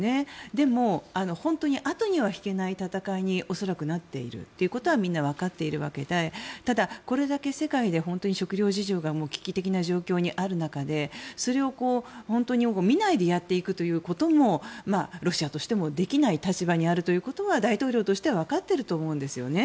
でも、本当に後には引けない戦いに恐らくなっているということはみんなわかっているわけでただ、これだけ世界で食糧事情が危機的な状況にある中でそれを見ないでやっていくということもロシアとしてもできない立場にあるということは大統領としてはわかっていると思うんですね。